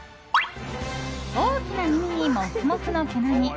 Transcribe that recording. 大きな耳にモフモフの毛並み。